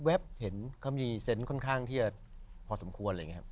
แว๊บเห็นเค้ามีเซ้นส์ข้างที่ค่อนข้างพอสมควร